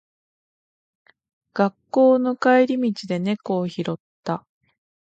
学校の帰り道で猫を拾った。